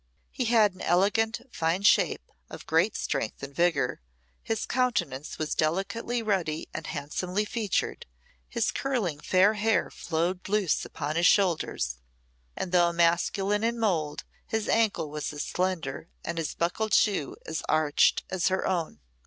He had an elegant, fine shape, of great strength and vigour, his countenance was delicately ruddy and handsomely featured, his curling fair hair flowed loose upon his shoulders, and, though masculine in mould, his ankle was as slender and his buckled shoe as arched as her own.